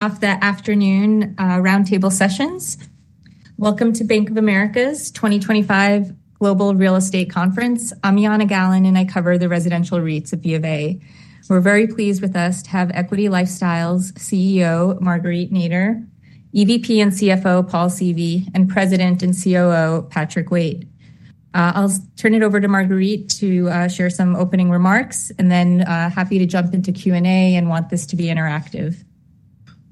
Afternoon, Roundtable Sessions. Welcome to Bank of America's 2025 Global Real Estate Conference. I'm Yana Gallen, and I cover the residential REITs at Bank of America. We're very pleased to have Equity LifeStyle Properties, Inc.'s CEO, Marguerite Nader, EVP and CFO, Paul Seavey, and President and COO, Patrick Waite. I'll turn it over to Marguerite to share some opening remarks, and then happy to jump into Q&A and want this to be interactive.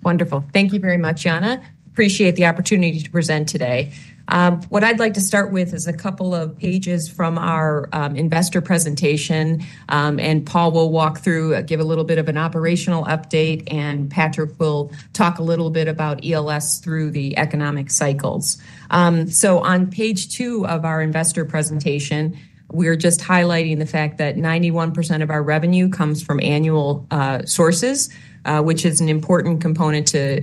Wonderful. Thank you very much, Yana. Appreciate the opportunity to present today. What I'd like to start with is a couple of pages from our investor presentation, and Paul will walk through, give a little bit of an operational update, and Patrick will talk a little bit about ELS through the economic cycles. On page two of our investor presentation, we're just highlighting the fact that 91% of our revenue comes from annual sources, which is an important component to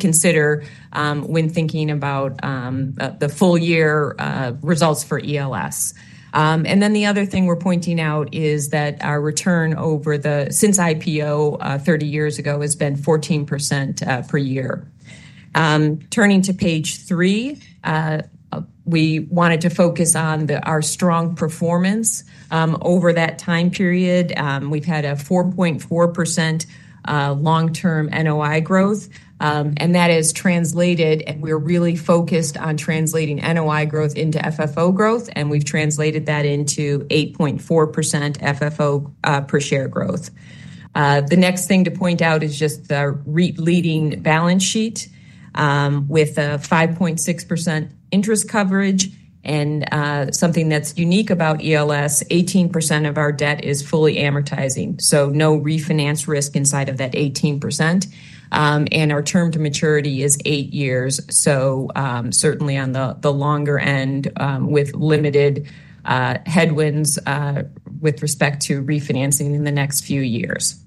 consider when thinking about the full-year results for ELS. The other thing we're pointing out is that our return since IPO 30 years ago has been 14% per year. Turning to page three, we wanted to focus on our strong performance over that time period. We've had a 4.4% long-term NOI growth, and that has translated, and we're really focused on translating NOI growth into FFO growth, and we've translated that into 8.4% FFO per share growth. The next thing to point out is just the REIT leading balance sheet with a 5.6% interest coverage, and something that's unique about ELS, 18% of our debt is fully amortizing, so no refinance risk inside of that 18%, and our term to maturity is eight years, certainly on the longer end with limited headwinds with respect to refinancing in the next few years.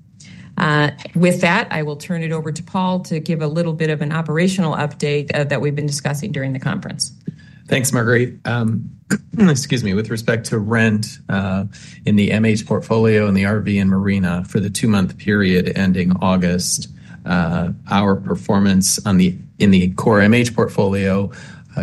With that, I will turn it over to Paul to give a little bit of an operational update that we've been discussing during the conference. Thanks, Marguerite. Excuse me, with respect to rent in the MH portfolio and the RV and marina for the two-month period ending August, our performance in the core MH portfolio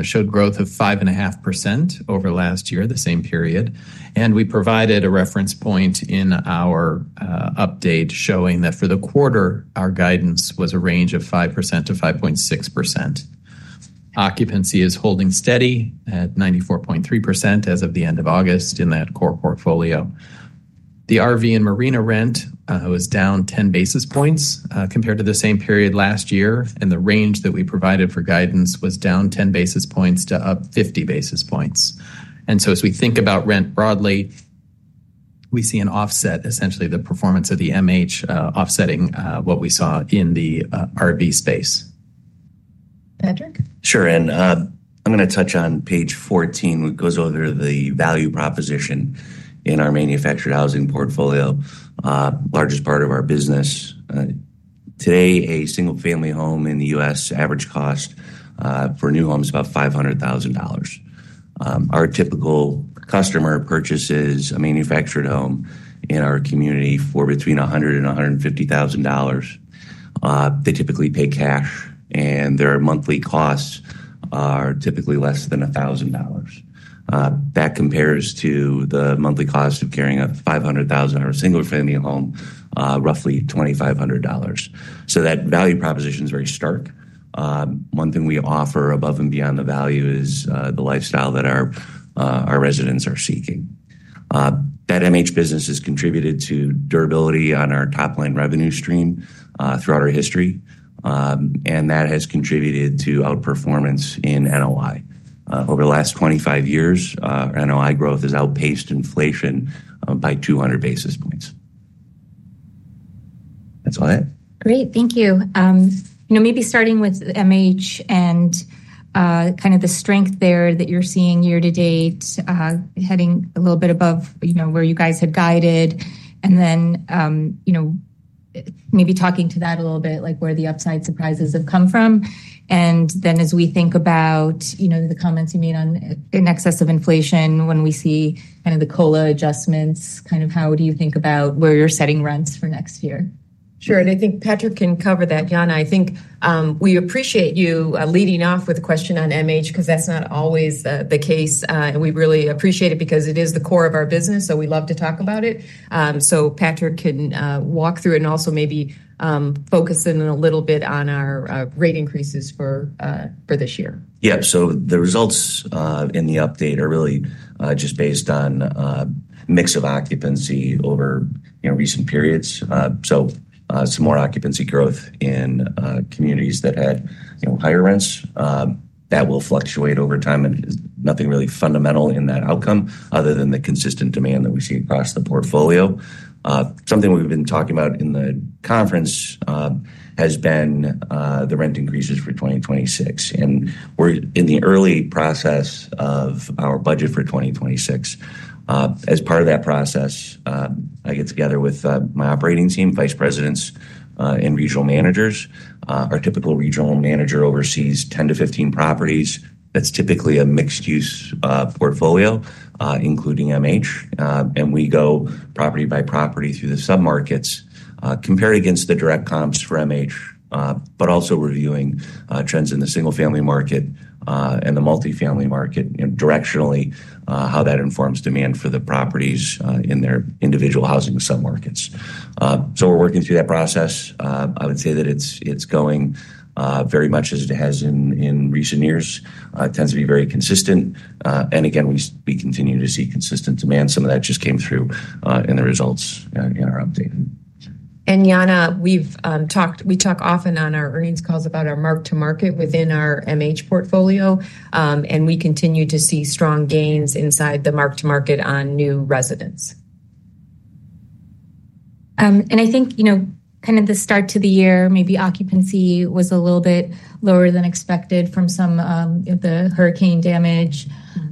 showed growth of 5.5% over last year, the same period, and we provided a reference point in our update showing that for the quarter, our guidance was a range of 5% to 5.6%. Occupancy is holding steady at 94.3% as of the end of August in that core portfolio. The RV and marina rent was down 10 basis points compared to the same period last year, and the range that we provided for guidance was down 10 basis points to up 50 basis points. As we think about rent broadly, we see an offset, essentially the performance of the MH offsetting what we saw in the RV space. Patrick? Sure, and I'm going to touch on page 14, which goes over the value proposition in our manufactured housing portfolio, the largest part of our business. Today, a single-family home in the U.S. average cost for new home is about $500,000. Our typical customer purchases a manufactured home in our community for between $100,000 and $150,000. They typically pay cash, and their monthly costs are typically less than $1,000. That compares to the monthly cost of carrying a $500,000 or a single-family home, roughly $2,500. That value proposition is very stark. One thing we offer above and beyond the value is the lifestyle that our residents are seeking. That MH business has contributed to durability on our top-line revenue stream throughout our history, and that has contributed to outperformance in NOI. Over the last 25 years, NOI growth has outpaced inflation by 200 bps. That's all I had. Great, thank you. Maybe starting with MH and kind of the strength there that you're seeing year to date, heading a little bit above where you guys had guided, and then maybe talking to that a little bit, like where the upside surprises have come from, and then as we think about the comments you made on in excess of inflation when we see kind of the COLA adjustments, kind of how do you think about where you're setting rents for next year? Sure, and I think Patrick can cover that. Yana, I think we appreciate you leading off with a question on MH because that's not always the case. We really appreciate it because it is the core of our business, so we love to talk about it. Patrick can walk through and also maybe focus in a little bit on our rate increases for this year. Yeah, so the results in the update are really just based on a mix of occupancy over recent periods. Some more occupancy growth in communities that had higher rents. That will fluctuate over time, and nothing really fundamental in that outcome other than the consistent demand that we see across the portfolio. Something we've been talking about in the conference has been the rent increases for 2026, and we're in the early process of our budget for 2026. As part of that process, I get together with my operating team, Vice Presidents, and Regional Managers. Our typical Regional Manager oversees 10 to 15 properties. That's typically a mixed-use portfolio, including MH, and we go property by property through the submarkets, compared against the direct comps for MH, but also reviewing trends in the single-family market and the multifamily market, directionally how that informs demand for the properties in their individual housing submarkets. We're working through that process. I would say that it's going very much as it has in recent years. It tends to be very consistent, and again, we continue to see consistent demand. Some of that just came through in the results in our update. Yana, we talk often on our earnings calls about our mark-to-market within our MH portfolio, and we continue to see strong gains inside the mark-to-market on new residents. I think kind of the start to the year, maybe occupancy was a little bit lower than expected from some of the hurricane damage.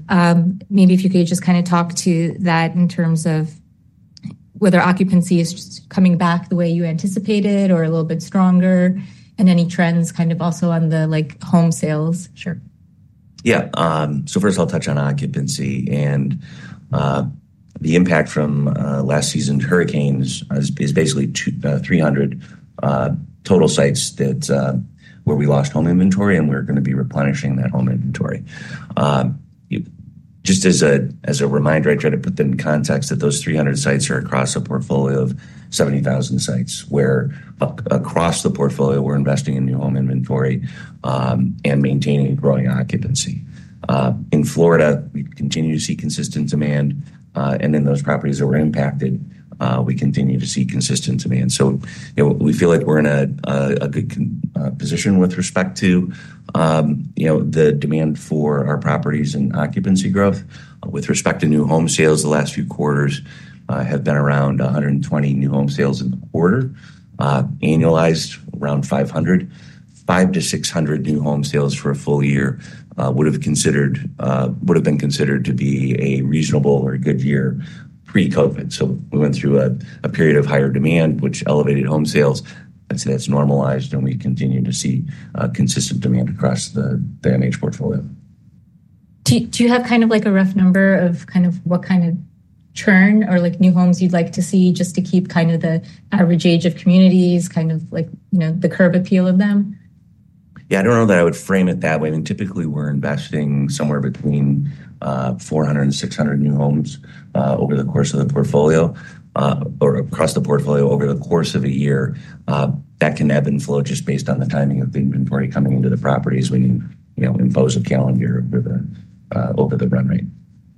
Maybe if you could just kind of talk to that in terms of whether occupancy is coming back the way you anticipated or a little bit stronger, and any trends also on the home sales. Sure. Yeah, first I'll touch on occupancy, and the impact from last season's hurricanes is basically 300 total sites where we lost home inventory, and we're going to be replenishing that home inventory. Just as a reminder, I try to put them in context that those 300 sites are across a portfolio of 70,000 sites, where across the portfolio, we're investing in new home inventory and maintaining growing occupancy. In Florida, we continue to see consistent demand, and in those properties that were impacted, we continue to see consistent demand. We feel like we're in a good position with respect to the demand for our properties and occupancy growth. With respect to new home sales, the last few quarters have been around 120 new home sales in the quarter, annualized around 500. Five to 600 new home sales for a full year would have been considered to be a reasonable or good year pre-COVID. We went through a period of higher demand, which elevated home sales. I'd say that's normalized, and we continue to see consistent demand across the MH portfolio. Do you have kind of like a rough number of what kind of churn or new homes you'd like to see just to keep the average age of communities, kind of like the curb appeal of them? Yeah, I don't know that I would frame it that way. I mean, typically we're investing somewhere between 400 to 600 new homes across the portfolio over the course of a year. That can ebb and flow just based on the timing of inventory coming into the properties. We can impose a calendar over the run rate.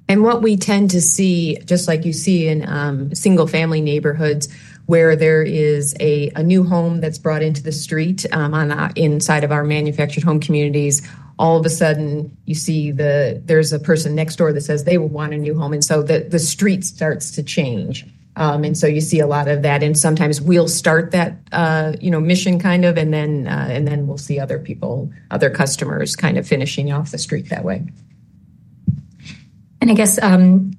What we tend to see, just like you see in single-family neighborhoods, where there is a new home that's brought into the street inside of our manufactured home communities, all of a sudden you see there's a person next door that says they will want a new home, and the street starts to change. You see a lot of that, and sometimes we'll start that mission, and then we'll see other people, other customers, finishing off the street that way. I guess kind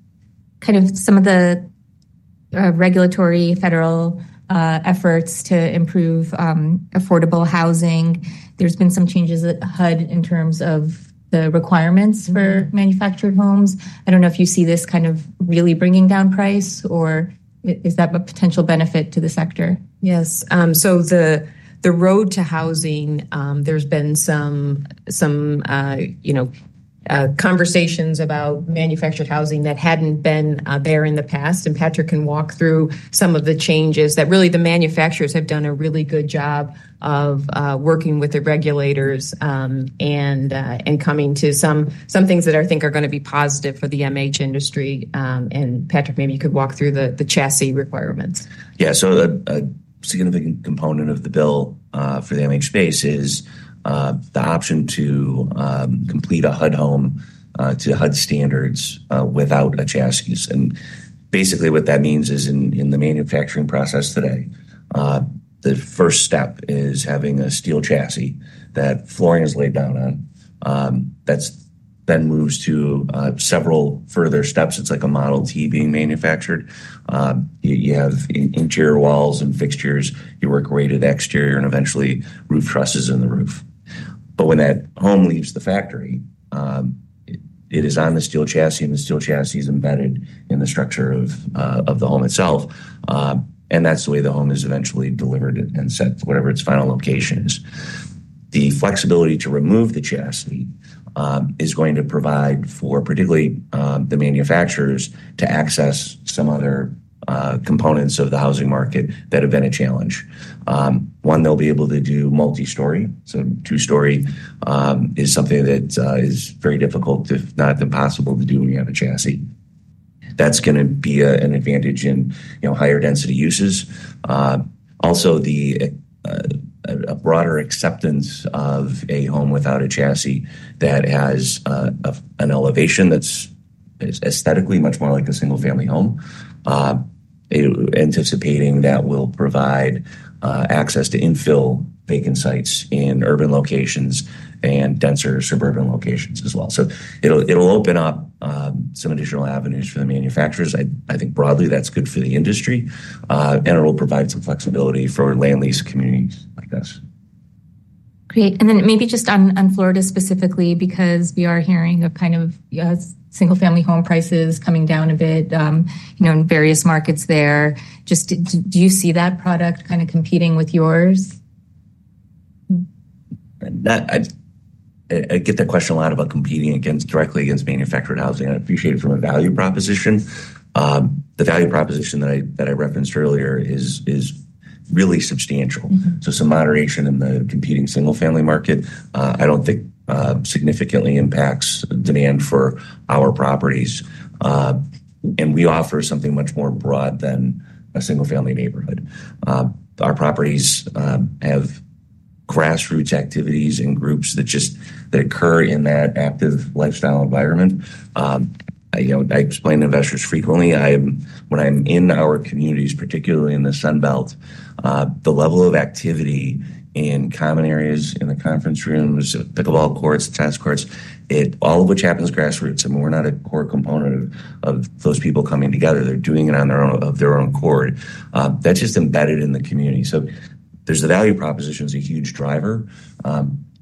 of some of the regulatory federal efforts to improve affordable housing, there's been some changes at HUD in terms of the requirements for manufactured homes. I don't know if you see this kind of really bringing down price, or is that a potential benefit to the sector? Yes, the road to housing, there's been some conversations about manufactured housing that hadn't been there in the past. Patrick can walk through some of the changes that really the manufacturers have done a really good job of working with the regulators and coming to some things that I think are going to be positive for the MH industry. Patrick, maybe you could walk through the chassis requirements. Yeah, so a significant component of the bill for the MH space is the option to complete a HUD home to HUD standards without a chassis. Basically, what that means is in the manufacturing process today, the first step is having a steel chassis that flooring is laid down on. That then moves to several further steps. It's like a Model T being manufactured. You have interior walls and fixtures, you work away to the exterior, and eventually roof trusses in the roof. When that home leaves the factory, it is on the steel chassis, and the steel chassis is embedded in the structure of the home itself. That's the way the home is eventually delivered and sent to wherever its final location is. The flexibility to remove the chassis is going to provide for particularly the manufacturers to access some other components of the housing market that have been a challenge. One, they'll be able to do multi-story. Two-story is something that is very difficult, if not impossible, to do when you have a chassis. That's going to be an advantage in higher density uses. Also, a broader acceptance of a home without a chassis that has an elevation that's aesthetically much more like a single-family home, anticipating that will provide access to infill vacant sites in urban locations and denser suburban locations as well. It'll open up some additional avenues for the manufacturers. I think broadly that's good for the industry, and it'll provide some flexibility for land lease communities like this. Great, and then maybe just on Florida specifically, because we are hearing of kind of single-family home prices coming down a bit in various markets there. Do you see that product kind of competing with yours? I get that question a lot about competing directly against manufactured housing. I appreciate it from a value proposition. The value proposition that I referenced earlier is really substantial. Some moderation in the competing single-family market, I don't think significantly impacts demand for our properties. We offer something much more broad than a single-family neighborhood. Our properties have grassroots activities and groups that just occur in that active lifestyle environment. I explain to investors frequently, when I'm in our communities, particularly in the Sun Belt, the level of activity in common areas, in the conference rooms, pickleball courts, tennis courts, all of which happens grassroots, and we're not a core component of those people coming together. They're doing it on their own accord. That's just embedded in the community. The value proposition is a huge driver.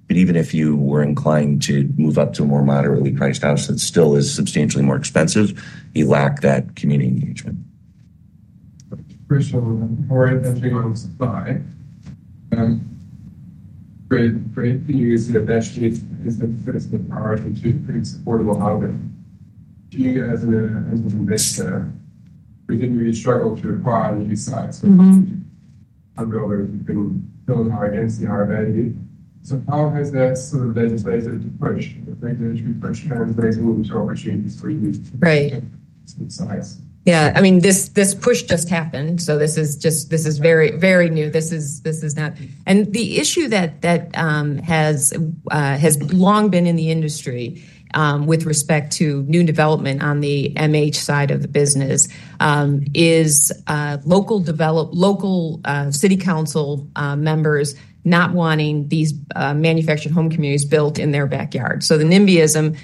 Even if you were inclined to move up to a more moderately priced house that still is substantially more expensive, you lack that community engagement. We're still in a very limited supply. We're in a pretty serious investment system for us to be able to do pretty supportable housing. You, as an investor, we didn't really struggle to acquire the new sites until we could fill our empty, our availability. How has that sort of been a decisive push? The regulatory pressure has been moving towards you in the three weeks. Yeah, I mean, this push just happened. This is very, very new. This is not. The issue that has long been in the industry with respect to new development on the MH side of the business is local city council members not wanting these manufactured home communities built in their backyard. NIMBYism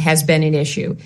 has been an issue.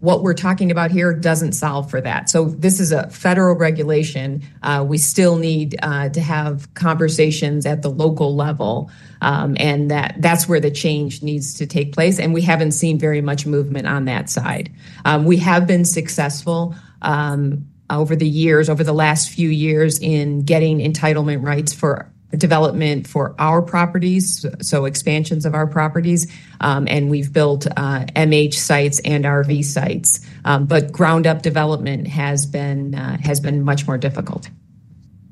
What we're talking about here doesn't solve for that. This is a federal regulation. We still need to have conversations at the local level, and that's where the change needs to take place. We haven't seen very much movement on that side. We have been successful over the last few years in getting entitlement rights for development for our properties, so expansions of our properties. We've built MH sites and RV sites, but ground-up development has been much more difficult.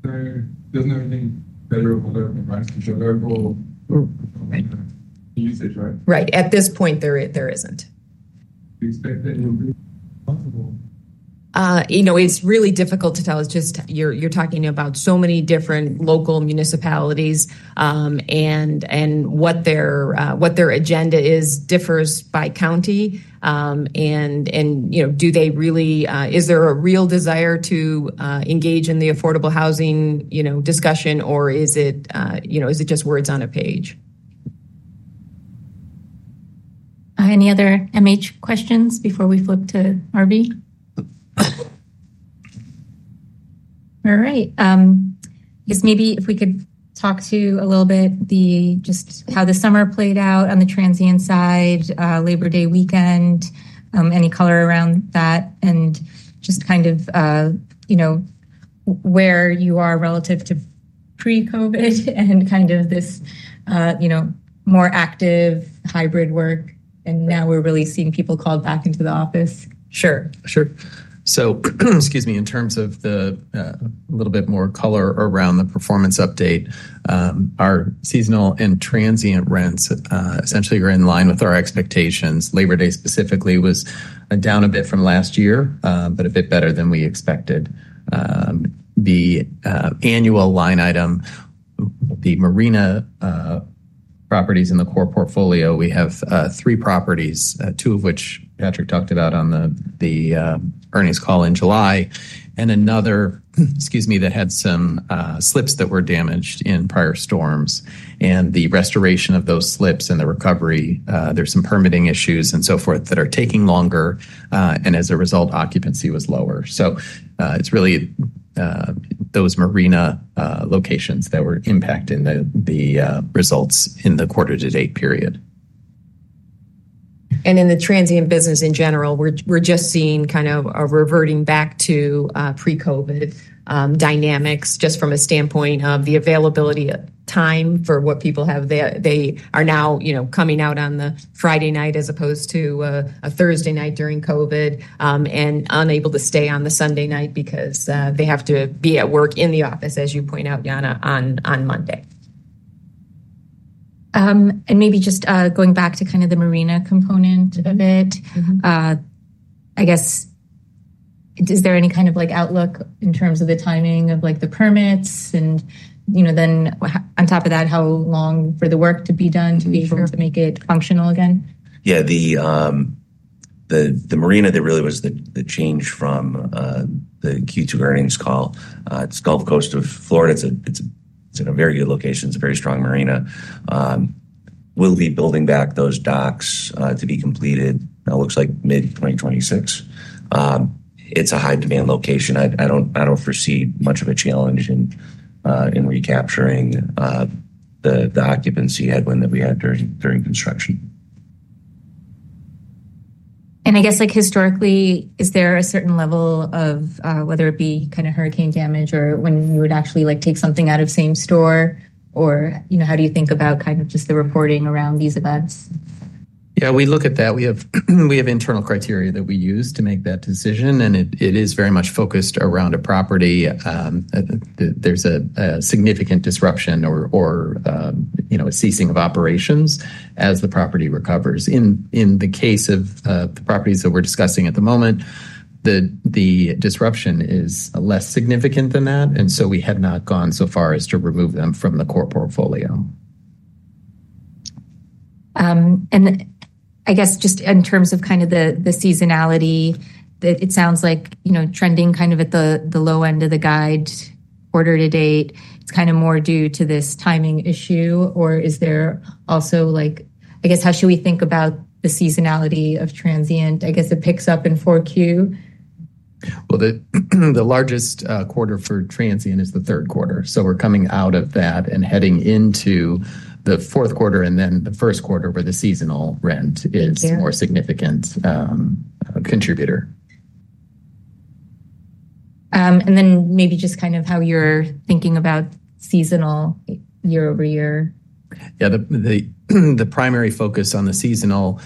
I think federal government rights could show that goal easier. Right, at this point, there isn't. It's really difficult to tell. You're talking about so many different local municipalities, and what their agenda is differs by county. Do they really, is there a real desire to engage in the affordable housing discussion, or is it just words on a page? Any other MH questions before we flip to RV? All right. I guess maybe if we could talk a little bit just how the summer played out on the transient side, Labor Day weekend, any color around that, and just kind of where you are relative to pre-COVID and kind of this more active hybrid work, and now we're really seeing people called back into the office. Sure, sure. In terms of a little bit more color around the performance update, our seasonal and transient rents essentially are in line with our expectations. Labor Day specifically was down a bit from last year, but a bit better than we expected. The annual line item, the marina properties in the core portfolio, we have three properties, two of which Patrick talked about on the earnings call in July, and another that had some slips that were damaged in prior storms. The restoration of those slips and the recovery, there's some permitting issues and so forth that are taking longer, and as a result, occupancy was lower. It's really those marina locations that were impacting the results in the quarter-to-date period. In the transient business in general, we're just seeing kind of a reverting back to pre-COVID dynamics, just from a standpoint of the availability of time for what people have. They are now coming out on the Friday night as opposed to a Thursday night during COVID and unable to stay on the Sunday night because they have to be at work in the office, as you point out, Yana, on Monday. Maybe just going back to the marina component of it, is there any kind of outlook in terms of the timing of the permits? On top of that, how long for the work to be done to be able to make it functional again? Yeah, the marina, there really was the change from the Q2 earnings call. It's Gulf Coast of Florida. It's in a very good location. It's a very strong marina. We'll be building back those docks to be completed. It looks like mid-2026. It's a high-demand location. I don't foresee much of a challenge in recapturing the occupancy headwind that we had during construction. Historically, is there a certain level of whether it be kind of hurricane damage or when you would actually take something out of same-store? How do you think about just the reporting around these events? Yeah, we look at that. We have internal criteria that we use to make that decision, and it is very much focused around a property. There's a significant disruption or a ceasing of operations as the property recovers. In the case of the properties that we're discussing at the moment, the disruption is less significant than that, and we have not gone so far as to remove them from the core portfolio. I guess just in terms of kind of the seasonality, it sounds like trending kind of at the low end of the guide quarter to date, it's kind of more due to this timing issue, or is there also, I guess, how should we think about the seasonality of transient? I guess it picks up in 4Q. The largest quarter for transient is the third quarter. We're coming out of that and heading into the fourth quarter and then the first quarter where the seasonal rent is a more significant contributor. Maybe just kind of how you're thinking about seasonal year over year. Yeah, the primary focus on the seasonal,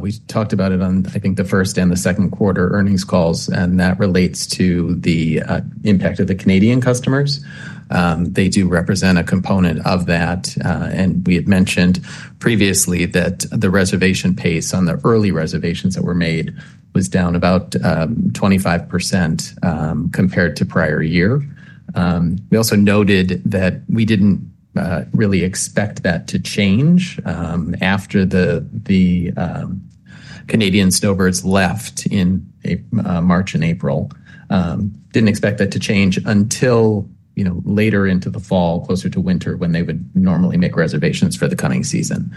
we talked about it on, I think, the first and the second quarter earnings calls, and that relates to the impact of the Canadian customers. They do represent a component of that, and we had mentioned previously that the reservation pace on the early reservations that were made was down about 25% compared to prior year. We also noted that we didn't really expect that to change after the Canadian snowbirds left in March and April. Didn't expect that to change until later into the fall, closer to winter, when they would normally make reservations for the coming season.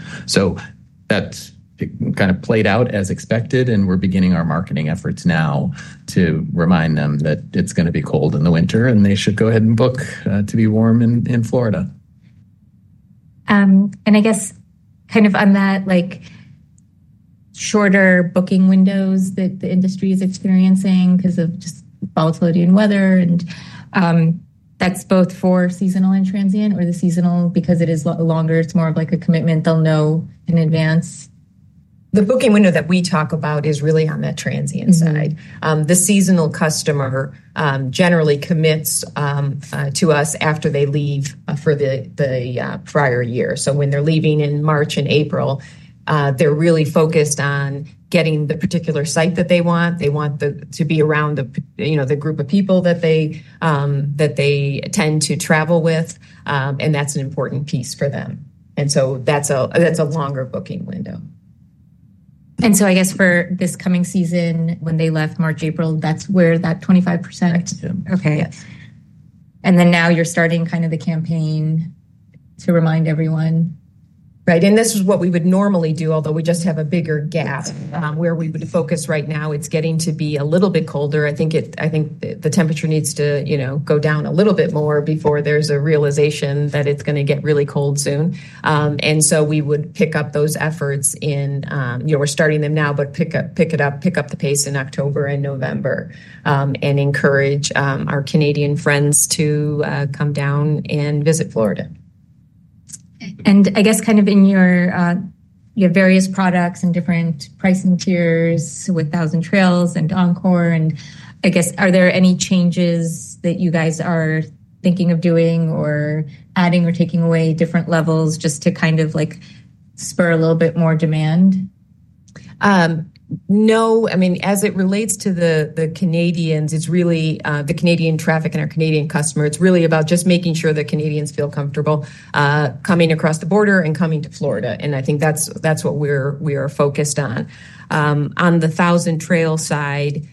That kind of played out as expected, and we're beginning our marketing efforts now to remind them that it's going to be cold in the winter, and they should go ahead and book to be warm in Florida. I guess kind of on that, like shorter booking windows that the industry is experiencing because of just volatility and weather, and that's both for seasonal and transient, or the seasonal because it is longer, it's more of like a commitment they'll know in advance? The booking window that we talk about is really on that transient side. The seasonal customer generally commits to us after they leave for the prior year. When they're leaving in March and April, they're really focused on getting the particular site that they want. They want to be around the group of people that they tend to travel with, and that's an important piece for them. That's a longer booking window. For this coming season, when they left March, April, that's where that 25%? That's true. Okay, now you're starting kind of the campaign to remind everyone. Right, and this is what we would normally do, although we just have a bigger gap where we would focus right now. It's getting to be a little bit colder. I think the temperature needs to go down a little bit more before there's a realization that it's going to get really cold soon. We would pick up those efforts in, you know, we're starting them now, but pick up the pace in October and November, and encourage our Canadian friends to come down and visit Florida. In your various products and different pricing tiers with Thousand Trails and Encore, are there any changes that you guys are thinking of doing or adding or taking away different levels just to kind of like spur a little bit more demand? No, I mean, as it relates to the Canadians, it's really the Canadian traffic and our Canadian customer. It's really about just making sure that Canadians feel comfortable coming across the border and coming to Florida, and I think that's what we are focused on. On the Thousand Trails side,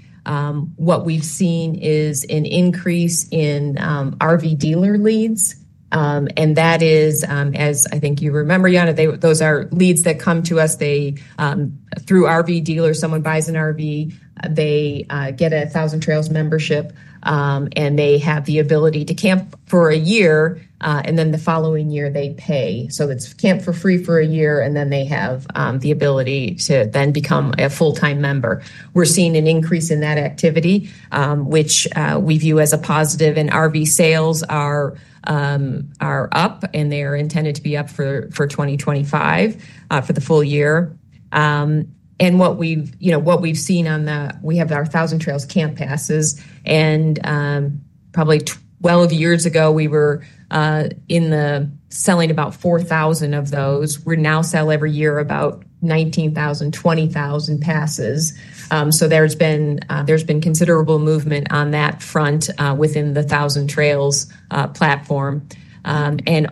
what we've seen is an increase in RV dealer leads, and that is, as I think you remember, Yana, those are leads that come to us. Through RV dealers, someone buys an RV, they get a Thousand Trails membership, and they have the ability to camp for a year, and then the following year they pay. It's camp for free for a year, and then they have the ability to then become a full-time member. We're seeing an increase in that activity, which we view as a positive, and RV sales are up, and they are intended to be up for 2025 for the full year. What we've seen on the, we have our Thousand Trails camp passes, and probably 12 years ago we were selling about 4,000 of those. We now sell every year about 19,000, 20,000 passes. There's been considerable movement on that front within the Thousand Trails platform.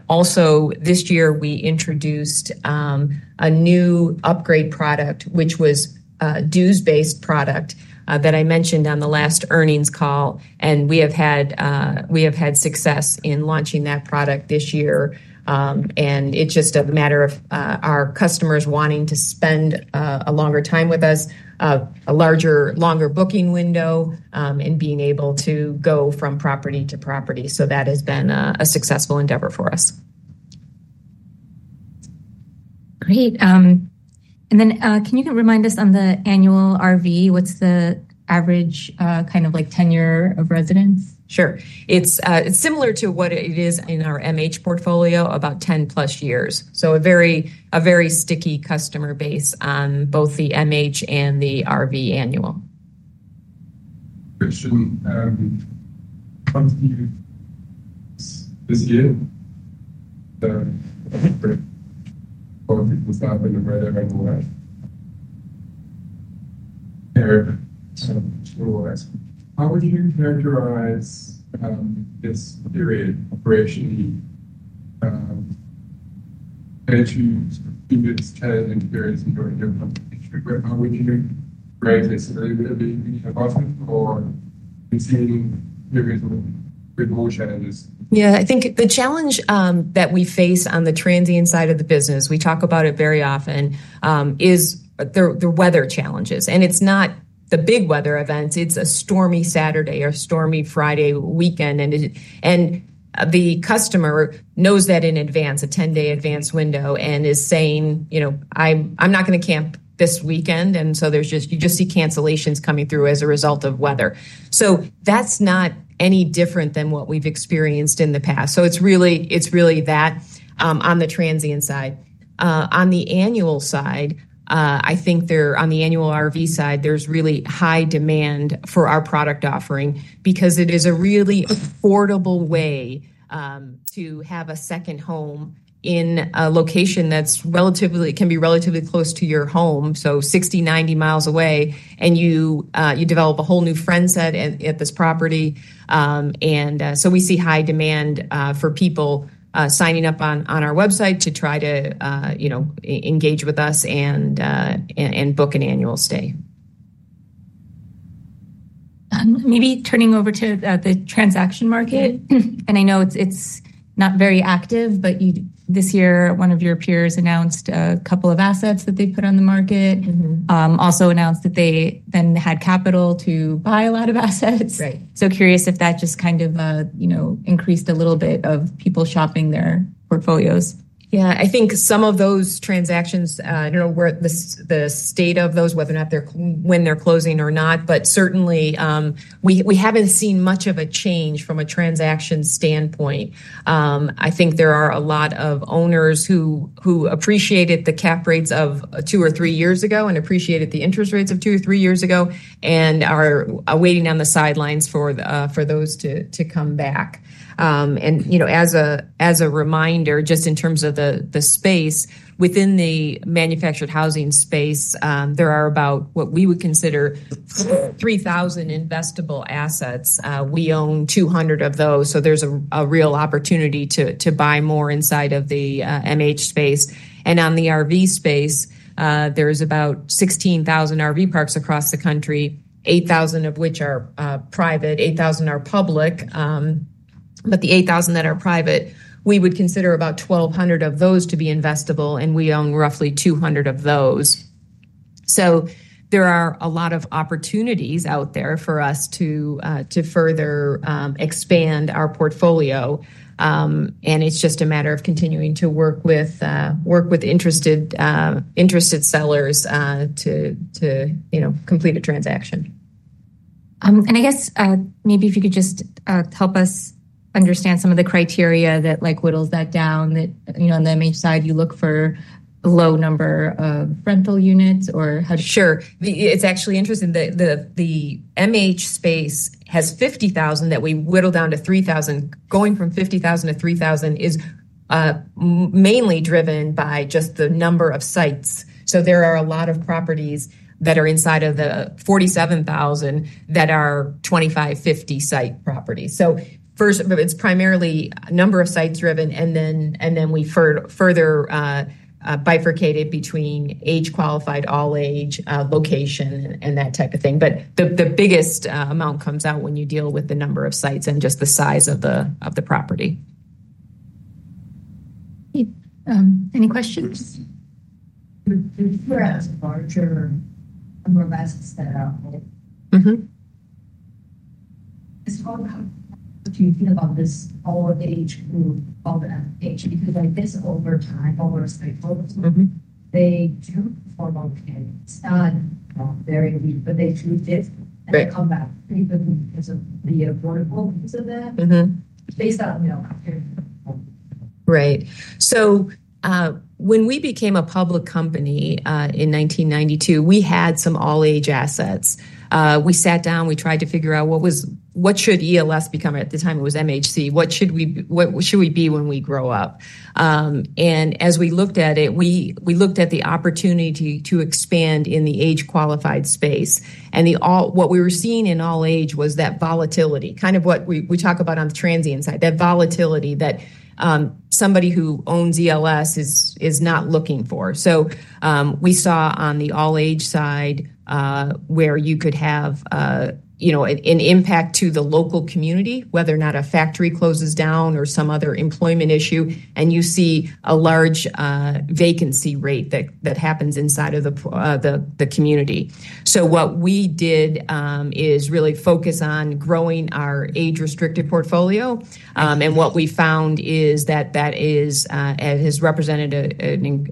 Also, this year we introduced a new upgrade product, which was a dues-based product that I mentioned on the last earnings call, and we have had success in launching that product this year. It's just a matter of our customers wanting to spend a longer time with us, a longer booking window, and being able to go from property to property. That has been a successful endeavor for us. Great. Can you remind us on the annual RV, what's the average kind of like tenure of residents? Sure. It's similar to what it is in our MH portfolio, about 10+ years. So a very sticky customer base on both the MH and the RV annual. Should we have the other CFS this year? The different funds will start on November, right? How are you going to measure out its period for each year? To keep it at 10 and to go into the golden month, how are you going to measure the stability of the bottom? It's really every time the whole challenge. Yeah, I think the challenge that we face on the transient side of the business, we talk about it very often, is the weather challenges. It's not the big weather events. It's a stormy Saturday or stormy Friday weekend, and the customer knows that in advance, a 10-day advance window, and is saying, you know, I'm not going to camp this weekend. There is just, you just see cancellations coming through as a result of weather. That's not any different than what we've experienced in the past. It's really that on the transient side. On the annual side, I think on the annual RV side, there's really high demand for our product offering because it is a really affordable way to have a second home in a location that can be relatively close to your home. So 60, 90 miles away, and you develop a whole new friend set at this property. We see high demand for people signing up on our website to try to engage with us and book an annual stay. Maybe turning over to the transaction market. I know it's not very active, but this year one of your peers announced a couple of assets that they put on the market. They also announced that they then had capital to buy a lot of assets. Curious if that just kind of increased a little bit of people shopping their portfolios. Yeah, I think some of those transactions, you know, the state of those, whether or not they're when they're closing or not, but certainly we haven't seen much of a change from a transaction standpoint. I think there are a lot of owners who appreciated the cap rates of two or three years ago and appreciated the interest rates of two or three years ago and are waiting on the sidelines for those to come back. As a reminder, just in terms of the space, within the manufactured housing space, there are about what we would consider 3,000 investable assets. We own 200 of those. There is a real opportunity to buy more inside of the MH space. In the RV space, there's about 16,000 RV parks across the country, 8,000 of which are private, 8,000 are public. The 8,000 that are private, we would consider about 1,200 of those to be investable, and we own roughly 200 of those. There are a lot of opportunities out there for us to further expand our portfolio. It's just a matter of continuing to work with interested sellers to complete a transaction. Could you just help us understand some of the criteria that whittles that down, that on the MH side, you look for a low number of rental units, or how do you? Sure. It's actually interesting. The MH space has 50,000 that we whittle down to 3,000. Going from 50,000 to 3,000 is mainly driven by just the number of sites. There are a lot of properties that are inside of the 47,000 that are 2,550 site properties. First, it's primarily a number of sites driven, and then we further bifurcate it between age-qualified, all-age location, and that type of thing. The biggest amount comes out when you deal with the number of sites and just the size of the property. Any questions? Is there a larger investment? Mm-hmm. It's all about, if you think about this all-age, all the MH, because they discipline over time, over a stakeholder. They do for long periods. Not very recent, but they choose to come back frequently because of the affordability to them. They start without a care. Right. When we became a public company in 1992, we had some all-age assets. We sat down, we tried to figure out what should ELS become? At the time, it was MHC. What should we be when we grow up? As we looked at it, we looked at the opportunity to expand in the age-qualified space. What we were seeing in all-age was that volatility, kind of what we talk about on the transient side, that volatility that somebody who owns ELS is not looking for. We saw on the all-age side where you could have an impact to the local community, whether or not a factory closes down or some other employment issue, and you see a large vacancy rate that happens inside of the community. What we did is really focus on growing our age-restricted portfolio. What we found is that that has represented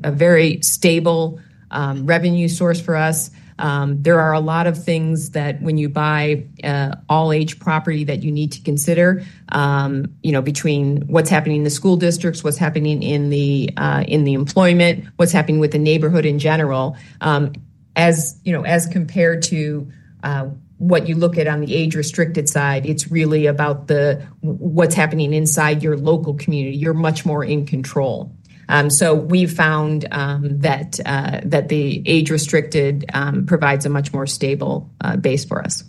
a very stable revenue source for us. There are a lot of things that when you buy all-age property that you need to consider, you know, between what's happening in the school districts, what's happening in the employment, what's happening with the neighborhood in general. As compared to what you look at on the age-restricted side, it's really about what's happening inside your local community. You're much more in control. We found that the age-restricted provides a much more stable base for us.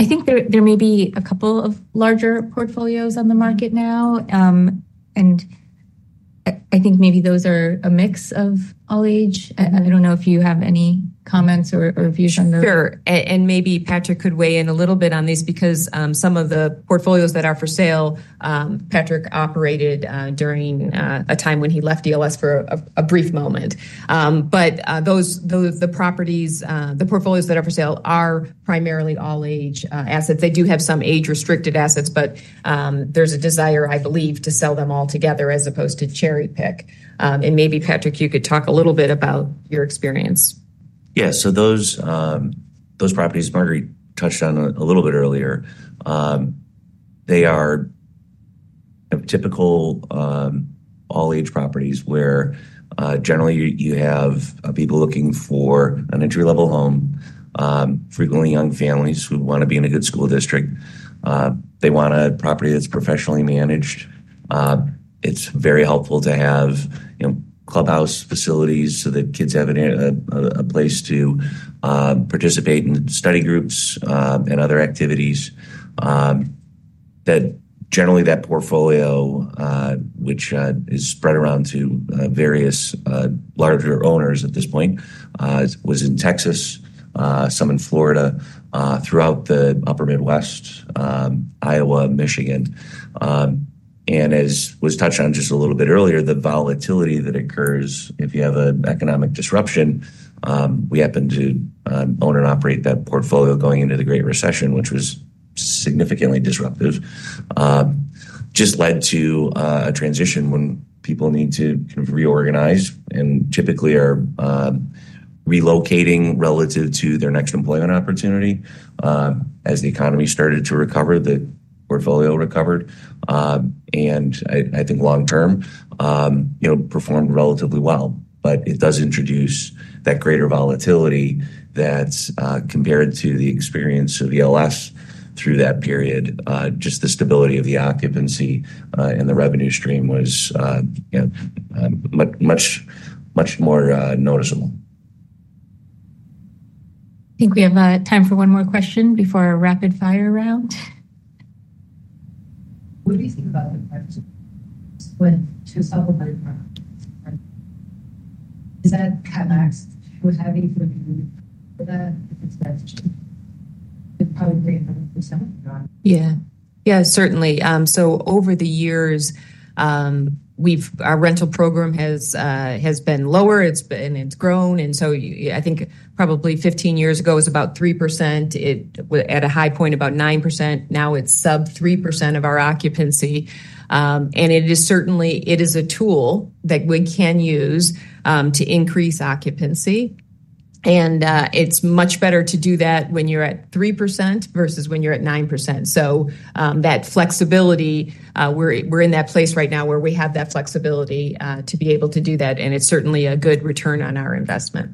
I think there may be a couple of larger portfolios on the market now. I think maybe those are a mix of all-age. I don't know if you have any comments or views on those. Sure. Maybe Patrick could weigh in a little bit on these because some of the portfolios that are for sale, Patrick operated during a time when he left ELS for a brief moment. The portfolios that are for sale are primarily all-age assets. They do have some age-restricted assets, but there's a desire, I believe, to sell them all together as opposed to cherry pick. Maybe Patrick, you could talk a little bit about your experience. Yeah, so those properties, Marguerite touched on a little bit earlier, they are typical all-age properties where generally you have people looking for an entry-level home. Frequently, young families would want to be in a good school district. They want a property that's professionally managed. It's very helpful to have clubhouse facilities so that kids have a place to participate in study groups and other activities. Generally, that portfolio, which is spread around to various larger owners at this point, was in Texas, some in Florida, throughout the upper Midwest, Iowa, Michigan. As was touched on just a little bit earlier, the volatility that occurs if you have an economic disruption. We happen to own and operate that portfolio going into the Great Recession, which was significantly disruptive. That just led to a transition when people need to reorganize and typically are relocating relative to their next employment opportunity. As the economy started to recover, the portfolio recovered, and I think long-term, you know, performed relatively well. It does introduce that greater volatility that's compared to the experience of ELS through that period. The stability of the occupancy and the revenue stream was much, much more noticeable. I think we have time for one more question before a rapid-fire round. What do you think about the fact that when two supplemental firms is that a Cadillac would have a different? Yeah, certainly. Over the years, our rental program has been lower, and it's grown. I think probably 15 years ago it was about 3%. It was at a high point about 9%. Now it's sub 3% of our occupancy. It is certainly a tool that we can use to increase occupancy. It's much better to do that when you're at 3% versus when you're at 9%. That flexibility, we're in that place right now where we have that flexibility to be able to do that. It's certainly a good return on our investment.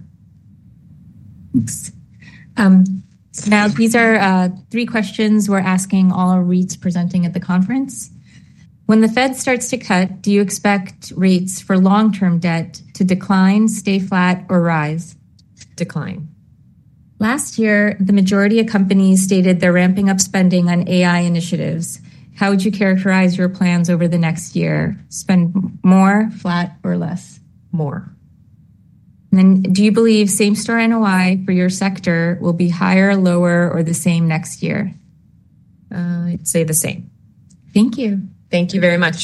Now, these are three questions we're asking all our REITs presenting at the conference. When the Fed starts to cut, do you expect rates for long-term debt to decline, stay flat, or rise? Decline. Last year, the majority of companies stated they're ramping up spending on AI initiatives. How would you characterize your plans over the next year? Spend more, flat, or less? More. Do you believe same-store NOI for your sector will be higher, lower, or the same next year? I'd say the same. Thank you. Thank you very much.